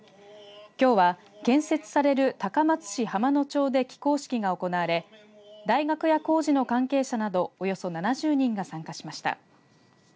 きょうは、建設される高松市浜ノ町で起工式が行われ大学や工事の関係者などおよそ７０人が参加しました。